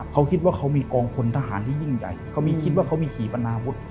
เขาคิดว่าเขามีกองพลทหารที่ยิ่งใหญ่เขามีคิดว่าเขามีขี่ปนาวุฒิ